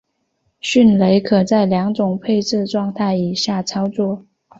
迅雷可在两种配置状态以下操作。